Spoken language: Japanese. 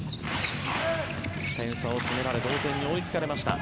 点差を詰められ同点に追いつかれました。